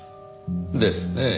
ですねぇ。